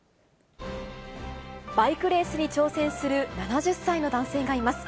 バイクレースに挑戦する７０歳の男性がいます。